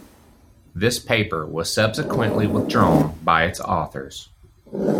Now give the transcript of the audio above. This paper was subsequently withdrawn by its authors.